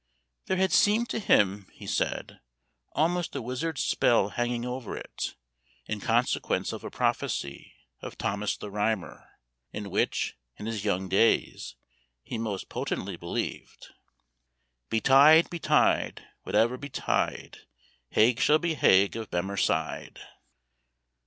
"There had seemed to him," he said, "almost a wizard spell hanging over it, in consequence of a prophecy of Thomas the Rhymer, in which, in his young days, he most potently believed:" "Betide, betide, whate'er betide, Haig shall be Haig of Bemerside."